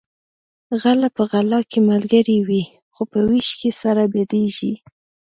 غلۀ په غلا کې ملګري وي خو په وېش کې سره بدیږي